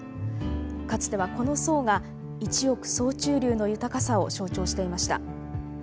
かつてはこの層が一億総中流の豊かさを象徴していました。